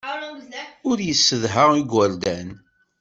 Ur yessedha igerdan.